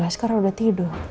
askara udah tidur